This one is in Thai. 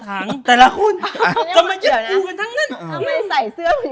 อ้าวต้อนรับหน่อย